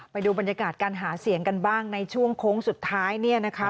ไปดูบรรยากาศการหาเสียงกันบ้างในช่วงโค้งสุดท้ายเนี่ยนะคะ